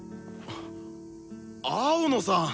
青野さん！